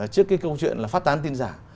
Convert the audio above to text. trước cái câu chuyện là phát tán tin giả